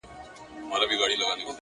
• د تکراري حُسن چيرمني هر ساعت نوې یې ـ